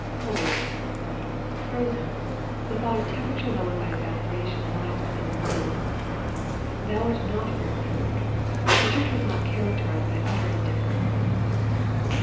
" Cold," frozen, the thought of temperature lowered by evaporation lies within the word. " Thou art not frozen." The church was not characterized by utter indifference.